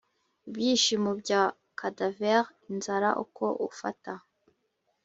ibyishimo bya cadaver inzara uko ufata